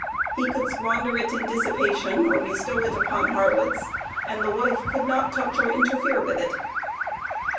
He could squander it in dissipation or bestow it upon harlots, and the wife could not touch or interfere with it.